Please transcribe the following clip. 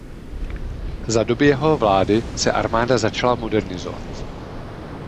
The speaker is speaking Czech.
Za doby jeho vlády se armáda začala modernizovat.